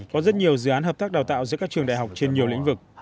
có rất nhiều dự án hợp tác đào tạo giữa các trường đại học trên nhiều lĩnh vực